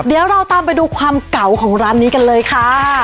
เดี๋ยวเราตามไปดูความเก่าของร้านนี้กันเลยค่ะ